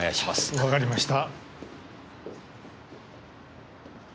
わかりました。